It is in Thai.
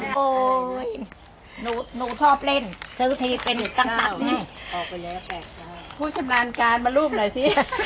เป็นอีกตั้งตั้งนี่ออกไปแล้วแปลกค่ะผู้ชำนาญการมารูปหน่อยสิ